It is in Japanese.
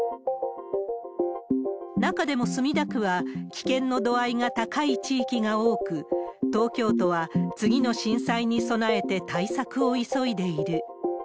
中でも墨田区は、危険の度合いが高い地域が多く、東京都は次の震災に備えて対策を急いでいる。